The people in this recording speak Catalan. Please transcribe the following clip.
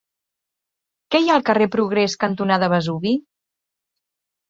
Què hi ha al carrer Progrés cantonada Vesuvi?